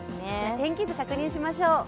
天気図、確認しましょう。